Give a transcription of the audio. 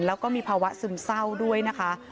แล้วก็มีภาวะซึมเศร้าด้วยนะคะ